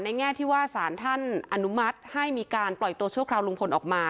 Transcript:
แง่ที่ว่าสารท่านอนุมัติให้มีการปล่อยตัวชั่วคราวลุงพลออกมา